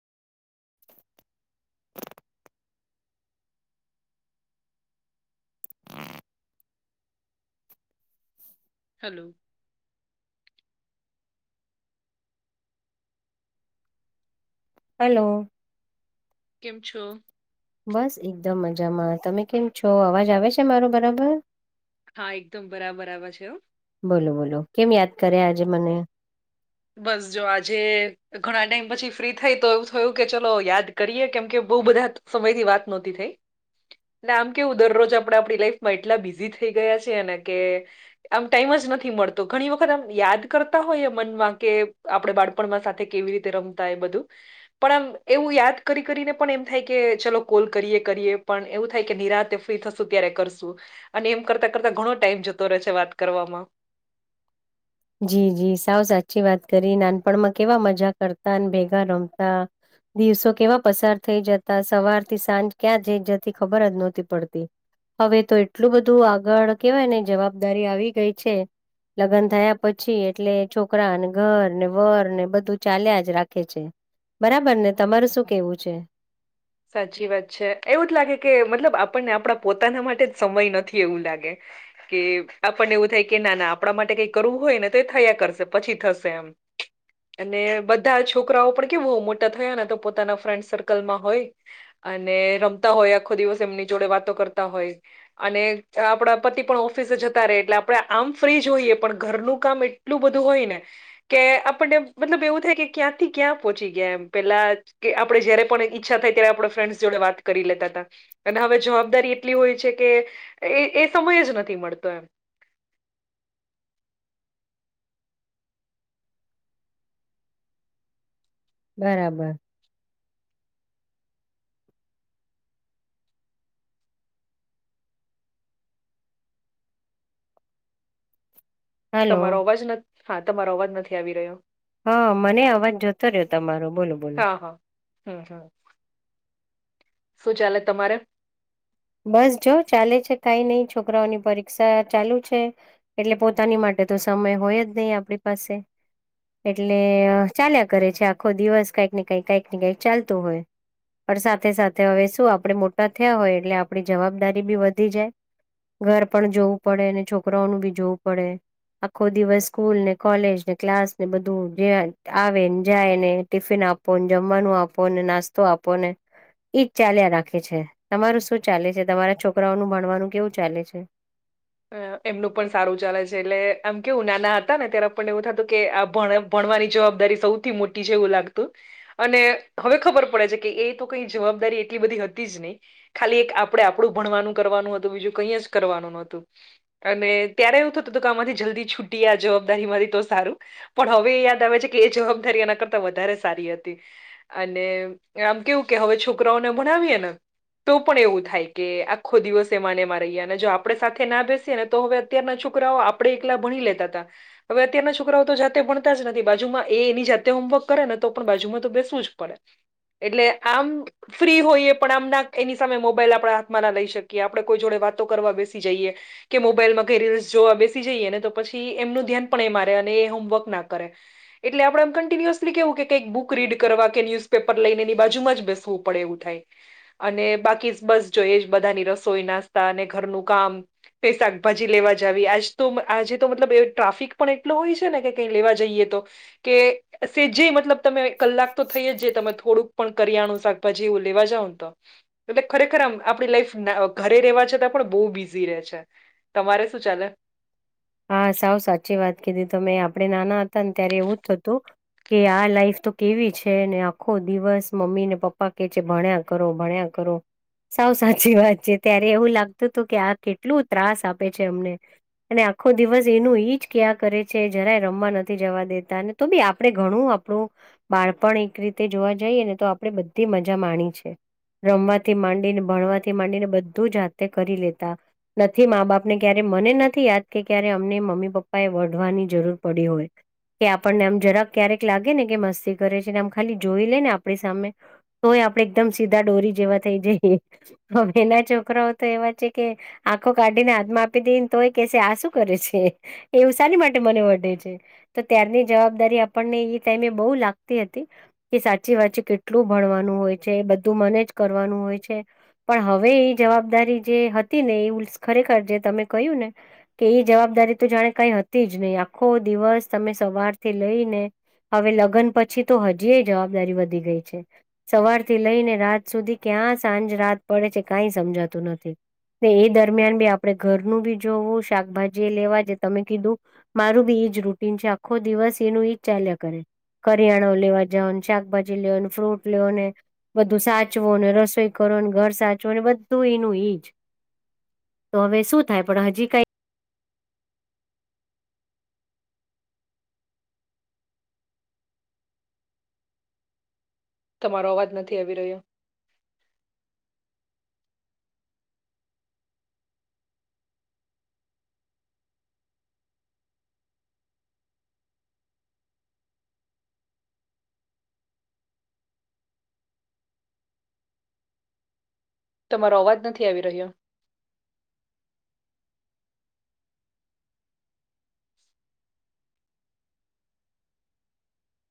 Hello. ! Hello! કેમ છો.? બસ એકદમ મજામાં તમે કેમ છો અવાજ આવે છે મારો બરાબર.? હા એકદમ બરાબરબર છે. બોલો બોલો કેમ યાદ કરે આજે મને.? બસ જો આજે ઘણા ટાઈમ પછી ફ્રી થઈ તો એવું થયું કે ચલો યાદ કરીએ કેમ કે બહુ બધા સમયથી વાત નહોતી થઈ. એટલે આમ કેવું દરરોજ આપણે આપણી લાઈફમાં એટલા બિઝી થઈ ગયા છીએ ને કે આમ ટાઈમ જ નથી મળતો ઘણી વખત આમ યાદ કરતા હોય મન માં કે આપડે બાળપણમાં સાથે કેવી રીતે રમતા એ બધું. પણ આમ એવું યાદ કરી કરીને પણ એમ થાય કે ચલો કોલ કરીએ કરીએ પણ એવું થાય કે નિરાતે ફ્રી થસું ત્યારે કરશું અને એમ કરતા કરતા ઘણો ટાઈમ જતો રહેશે વાત કરવામાં. જી જી સાવ સાચી વાત કરી નાનપણમાં કેવા મજા કરતા ભેગા રમતા. દિવસો કેવા પસાર થઈ જતા સવારથી સાંજ ક્યાં જઈ જતી ખબર જ નહોતી પડતી. હવે તો એટલું બધું આગળ કેવાય ને જવાબદારી આવી ગઈ છે લગ્ન થયા પછી એટલે છોકરા ને ઘર ને વર ને બધું ચાલ્યા જ રાખે છે. બરાબર ને તમાર શું કેવું છે.? સાચી વાત છે એવું જ લાગે કે મતલબ આપણને આપણા પોતાના માટે જ સમય નથી એવું લાગે. કે આપણને એવું થાય કે ના ના આપણા માટે કઈ કરવું હોય ને તો એ થયા કરશે પછી થશે એમ. હમ. અને બધા છોકરાઓ પણ કેવું મોટા થયા ને તો પોતાના ફ્રેન્ડ સર્કલમાં હોય અને રમતા હોય આખો દિવસ એમની જોડે વાતો કરતા હોય. અને આપણા પતિ પણ ઓફિસે જતા રહે એટલે આપણેે આમ ફ્રી જોઈએ પણ ઘરનું કામ એટ એટલું બધું હોય ને કે આપણને મતલબ એવું થાય કે ક્યાંથી ક્યાં પહોંચી ગયા એમ પેલા જે કે આપણે જયારે પણ ઈચ્છા થાય ત્યારે આપણા ફ્રેન્ડસ જોડે વાત કરી લેતા હતા. અને હવે જવાબદારી એટલી હોય છે કે એ એ સમય જ નથી મળતો એમ. બરાબર. હલો તમારો અવાજ હા તમારો અવાજ નથી આવી રહ્યો. હા મને અવાજ જોતો રહ્યો તમારો બોલો બોલો હા હા. શું ચાલે તમારે? બસ જોવો ચાલે છે. કય નય છોકરાઓની પરીક્ષા ચાલુ છે. એટલે પોતાની માટે તો સમય હોય જ નય આપણી પાસે. એટલે ચાલ્યા કરે છે આખો દિવસ કઈક ને કઈક કઈક ને કઈક ચાલતું હોય. પણ સાથે સાથે હવે શું આપણે મોટા થયા હોય એટલે આપણી જવાબદારી બી વધી જાય. ઘર પણ જોવું પડે અને છોકરાઓનું બી જોવું પડે. આખો દિવસ સ્કૂલ ને, કોલેજ ને ક્લાસ ને બધું આવેને-જાય ને ટિફિન આપું ને જમવાનું આપોને, નાસ્તો આપો ને, એજ ચાલ્યા રાખે છે. તમારું શું? ચાલે છે. તમારા છોકરાઓ નું ભણવાનું કેવું ચાલે છે? અ એમનું પણ સારું ચાલે છે એટલે આમ કેવું નાના હતા ને ત્યારે પણને એવું થતું કે આ ભણ ભણવાની જવાબદારી સૌથી મોટી છે એવું લાગતું. અને હવે ખબર પડે છે કે એ તો કંઈ જવાબદારી એટલી બધી હતી જ નય. ખાલી એક આપણે આપણું ભણવાનું કરવાનું હતું, બીજું કંઈ જ કરવાનું નતું. અને ત્યારે એવું થતું હતું કે આમાંથી જલ્દી છૂટયે આ જવાબદારી માંથી તો સારું. પણ હવે એ યાદ આવે છે કે એ જવાબદારી આના કરતા વધારે સારી હતી. અને આમ કેવું કે હવે છોકરાઓને ભણાવીએ ને તો પણ એવું થાય કે આખો દિવસ એમાં ને એમાં રહીએ અને જો આપણે સાથે કે ના બેસીએ ને તો હવે અત્યારના છોકરાઓ આપણે એકલા ભણી લેતા હતા. હવે અત્યારના છોકરાઓ તો જાતે ભણતા જ નથી. બાજુમાં એ એની જાતે હોમવર્ક કરે ને તો પણ બાજુમાં તો બેસવું જ પડે. એટલે આમ ફ્રી હોઈએ પણ આમ ના એની સામે મોબાઈલ આપણા હાથમાં ના લઈ શકીએ, આપડે કોઈ જોડે વાતો કરવા બેસી જઈએ. કે મોબાઈલમાં કઈ રીલ્સ જોવા બેસી જઈએ ને તો પછી એમનું ધ્યાન પણ એ મારે અને એ હોમવર્ક ના કરે. એટલે આપણે એમ કન્ટિન્યુઅસલી કેવું કે કંઈક બુક રીડ કરવા, કે ન્યુઝપેપર લઈને એની બાજુમાં જ બેસવું. પડે એવું થાય અને બાકી જ બસ જોઈએ જ બધાની રસોઈ, નાસ્તા અને ઘરનું કામ. કઈ શાકભાજી લેવા જાવી આજ તો આજે તો મતલબ ટ્રાફિક પણ એટલો હોય છે ને કે કઈ લેવા જઈએ તો કે સેજે મતલબ તમે કલાક તો થઈએ જ તમે થોડુંક પણ કરિયાણું, શાભાજી એવું લેવા જાવ ને તો એટલે ખરેખર આમ, આપણી લાઈફ અ ઘરે રહેવા છતાં પણ બો બીઝી બીઝી રેય છે, તમારે શું ચાલે? હા, સાવ સાચી વાત કીધી તમેં. આપડે નાના હતા ને ત્યારે એવું જ થતું. કે આ લાઈફ તો કેવી છે ને આખો દિવસ મમ્મી ને પપ્પા કે છે, ભણ્યા કરો, ભણ્યા કરો. કરો. સાવ સાચી વાત છે, ત્યારે એવું લાગતું હતું કે આ કેટલું ત્રાસ આપે છે અમને. અને આપ આખો દિવસ એનું એઈ જ ક્યાં કરે છે, જરાય રમવા નથી જવા દેતા અને તો બી આપણે ઘણું આપણું બાળપણ એક રીતે જોવા જઈએ ને તો આપણે બધી મજા માણી છે. રમવાથી માંડીને, ભણવાથી માંડીને બધું જાતે કરી લેતા. નથી, મા-બાપ ને ક્યારે મને નથી યાદ. કે ક્યારે અમને મમ્મી-પપ્પા એ વઢવાની જરૂર પડી હોય. કે આપણને આમ જરાક ક્યારેક લાગે ને, કે મસ્તી કરે છેને આમ ખાલી જોઈ લે ને આપણી સામે તોય આપડે એકદમ સીધા ડોરી જેવા થઇ જઈએ. હવે ના છોકરાઓ તો એવા છે કે આંખો કાઢીને હાથમાં આપી દેય ને તોય કેસે કે આ શું શું કરે છે એવું શાનિ માટે મને વઢે છે. તો ત્યારની જવાબદારી આપણને ઈ ટાઈમે બો લાગતી હતી. કે સાચી વાત છે. કેટલું ભણવાનું હોય છે? બધું મને જ કરવાનું હોય છે. પણ હવે એ જવાબદારી જે હતી ને એ ઉલ્સ ખરેખર જે તમે કહ્યું ને કે એ જવાબદારી તો જાણે કંઈ હતી જ નહીં. આખો દિવસ તમે સવાર થી લઈ ને હવે લગ્ન પછી તો હજી એ જવાબદારી વધી ગઈ છે. સવારથી લઈને રાત સુધી, ક્યાં સાંજ રાત પડે છે કંઈ સમજાતું નથી. એ દરમિયાન બી આપણે ઘરનું બી જોવું, શાકભાજી એ લેવા જે તમે કીધું. મારું બી ઈ જ રૂટીન છે આખો દિવસ ઈ નું ઈ જ ચાલ્યા કરે. કરિયાણા લેવા જાઓ, શાકભાજી લેઓ ને, ફ્રૂટ લેવો ને. બધું સાચવો ને, રસોઈ કરો ને, ઘર સાચવો, બધું એનું ઈ જ. તો હવે શું થાય, પણ હજી કઈ. તમારો અવાજ નથી આવી રહ્યો. તમારો અવાજ નથી આવી રહ્યો.